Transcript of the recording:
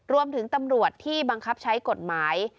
ตำรวจที่บังคับใช้กฎหมาย